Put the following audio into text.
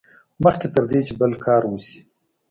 مخکې تر دې چې بل کار وشي.